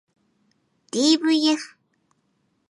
ｄｖｆ